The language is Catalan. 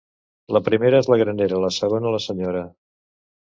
La primera és la granera; la segona, la senyora.